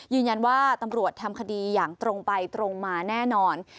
ยืนยันว่าตำรวจทำคดีอย่างตรงไปตรงมาแน่นอน